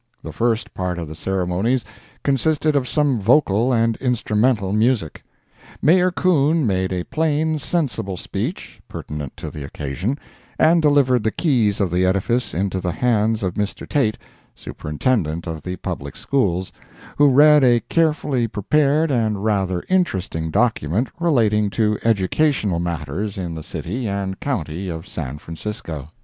The first part of the ceremonies consisted of some vocal and instrumental music. Mayor Coon made a plain, sensible speech, pertinent to the occasion, and delivered the keys of the edifice into the hands of Mr. Tait, Superintendent of the Public Schools, who read a carefully prepared and rather interesting document relating to educational matters in the city and county of San Francisco.